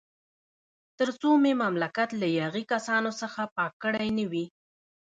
تر څو مې مملکت له یاغي کسانو څخه پاک کړی نه وي.